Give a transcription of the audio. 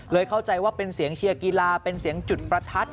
เข้าใจว่าเป็นเสียงเชียร์กีฬาเป็นเสียงจุดประทัด